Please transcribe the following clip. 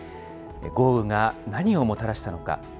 豪雨が何をもたらしたのか。